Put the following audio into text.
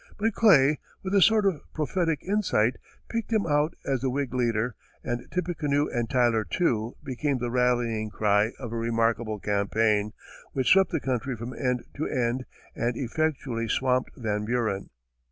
But Clay, with a sort of prophetic insight, picked him out as the Whig leader, and "Tippecanoe and Tyler Too" became the rallying cry of a remarkable campaign, which swept the country from end to end and effectually swamped Van Buren.